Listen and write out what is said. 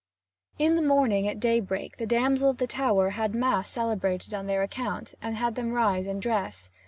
In the morning, at daybreak, the damsel of the tower had Mass celebrated on their account, and had them rise and dress.